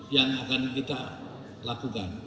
yang akan kita lakukan